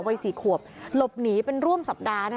วัยสี่ขวบหลบหนีเป็นร่วมสัปดาห์